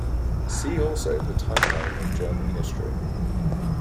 See also the timeline of German history.